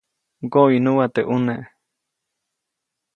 ʼMgoʼiʼnuʼa teʼ ʼuneʼ.